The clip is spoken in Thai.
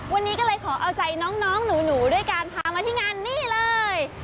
วันนี้ก็เลยขอเอาใจน้องหนูด้วยการพามาที่งานนี่เลย